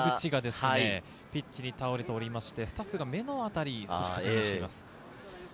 ピッチに倒れておりましてスタッフが目の辺りをケアしています。